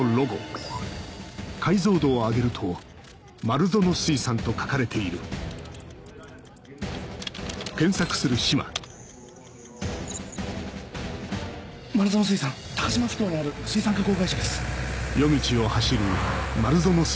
マルゾノ水産高島埠頭にある水産加工会社です。